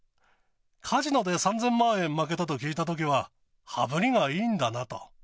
カジノで３０００万円負けたと聞いたときは、羽振りがいいんだなと。